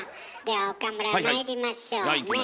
では岡村まいりましょうね。